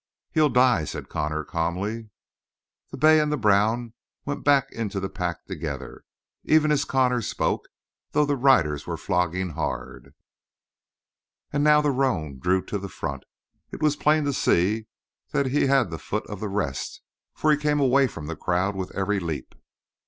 "He'll die," said Connor calmly. The bay and the brown went back into the pack together, even as Connor spoke, though the riders were flogging hard, and now the roan drew to the front. It was plain to see that he had the foot of the rest, for he came away from the crowd with every leap.